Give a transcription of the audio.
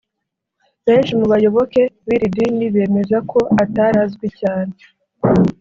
benshi mu bayoboke b’iri dini bemeza ko atari azwi cyane